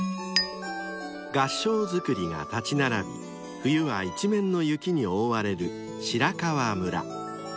［合掌造りが立ち並び冬は一面の雪に覆われる白川村］